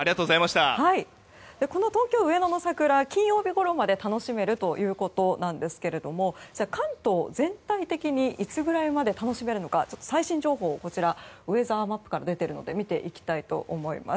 東京・上野の桜は金曜日ごろまで楽しめるということですが関東、全体的にいつぐらいまで楽しめるのか最新情報をウェザーマップから出ているので見ていきたいと思います。